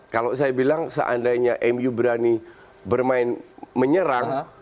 kalau saya bilang seandainya mu berani bermain menyerang